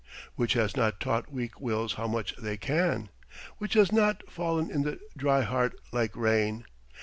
Which has not taught weak wills how much they can? Which has not fall'n in the dry heart like rain?